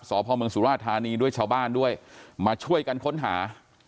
สพเมืองสุราธานีด้วยชาวบ้านด้วยมาช่วยกันค้นหา